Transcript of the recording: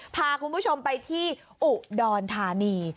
พาคุณผู้ชมไปที่อุดรธานี